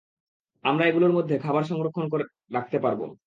আমরা এগুলোর মধ্যে খাবার সংরক্ষণ করে রাখতে পারব!